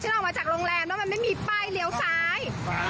ออกมาจากโรงแรมแล้วมันไม่มีป้ายเลี้ยวซ้าย